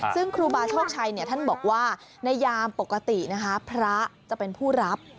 ซึ่งครูบาโชคชัยท่านบอกว่าในยามปกตินะคะพระจะเป็นผู้รับ